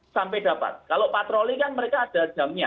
sampai dapat kalau patroli kan mereka ada jamnya